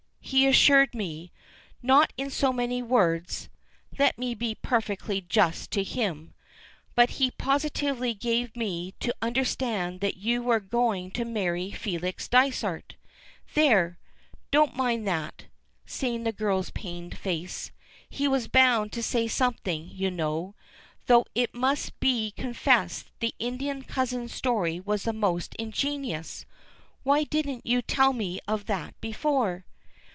He assured me not in so many words (let me be perfectly just to him) but he positively gave me to understand that you were going to marry Felix Dysart. There! Don't mind that," seeing the girl's pained face. "He was bound to say something, you know. Though it must be confessed the Indian cousin story was the more ingenious. Why didn't you tell me of that before?"